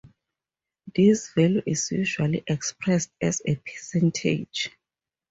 This value is usually expressed as a percentage.